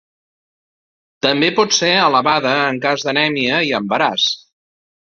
També pot ser elevada en cas d'anèmia i embaràs.